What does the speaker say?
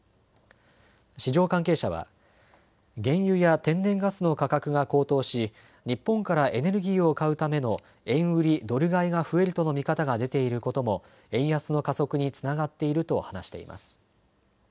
市場関係者は原油や天然ガスの価格が高騰し日本からエネルギーを買うための円売りドル買いが増えるとの見方が出ていることも円安の加速につながっていると話しています。